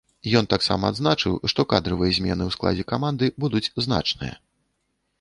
Ён таксама адзначыў, што кадравыя змены ў складзе каманды будуць значныя.